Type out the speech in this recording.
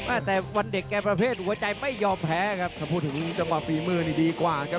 อ่าแต่วันเด็กแกประเภทหัวใจไม่ยอมแพ้ครับถ้าพูดถึงจังหวะฝีมือนี่ดีกว่าครับ